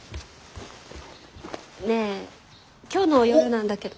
ねえ今日の夜なんだけど。